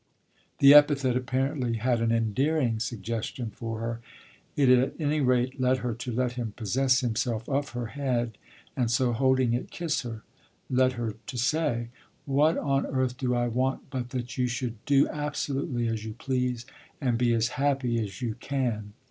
The epithet apparently had an endearing suggestion for her; it at any rate led her to let him possess himself of her head and, so holding it, kiss her led her to say: "What on earth do I want but that you should do absolutely as you please and be as happy as you can?"